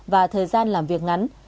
và thời gian làm việc ngắn